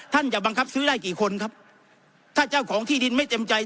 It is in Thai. จะบังคับซื้อได้กี่คนครับถ้าเจ้าของที่ดินไม่เต็มใจ